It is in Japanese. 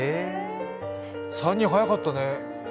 ３人早かったね。